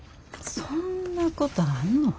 そんなことあんの？